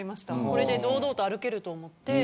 これで堂々と歩けると思って。